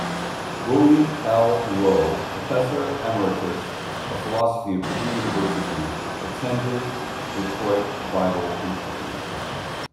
William L. Rowe, professor emeritus of philosophy at Purdue University, attended Detroit Bible Institute.